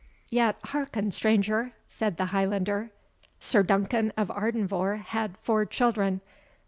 "Yet hearken, stranger," said the Highlander. "Sir Duncan of Ardenvohr had four children.